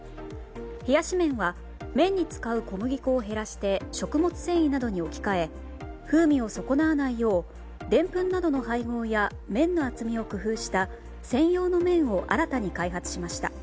冷やし麺は麺に使う小麦粉を減らして食物繊維などに置き換えて風味を損なわないようでんぷんなどの配合や麺の厚みを工夫した専用の麺を新たに開発しました。